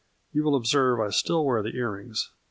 You will observe I still wear the earrings.